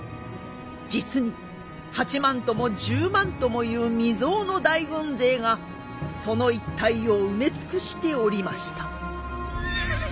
実に８万とも１０万ともいう未曽有の大軍勢がその一帯を埋め尽くしておりました。